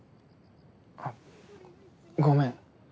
あっごめん。